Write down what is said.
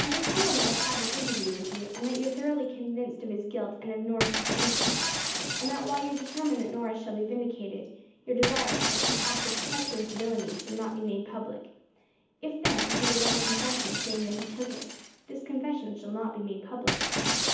"I shall tell him I have had this interview with you; that you are thoroughly convinced of his guilt and of Norris's innocence; and that while you are determined that Norris shall be vindicated, you are desirous that his act of treacherous villainy shall not be made public; if, then, he will write a confession, saying that he took it, this confession shall not be made public.